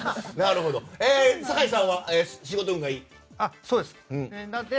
酒井さんは仕事運がいい？